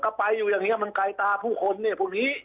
ก็ไปอยู่อย่างนี้มันไกลตาผู้คนเนี่ยพวกนี้